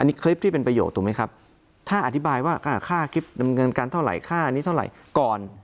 อันนี้คลิปที่เป็นประโยชน์ถูกไหมครับถ้าอธิบายว่าค่าคลิปดำเนินการเท่าไหร่ค่านี้เท่าไหร่ก่อน